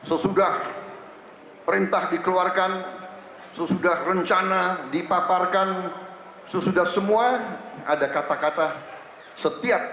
hai sesudah perintah dikeluarkan sesudah rencana dipaparkan sesudah semua ada kata kata setiap